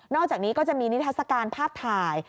อกจากนี้ก็จะมีนิทัศกาลภาพถ่าย